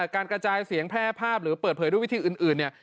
การกระจายเสียงแพร่ภาพหรือเปิดเผยด้วยวิธีอื่นเนี่ย